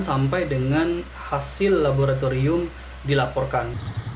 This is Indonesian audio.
sampai dengan hasil laboratorium dilaporkan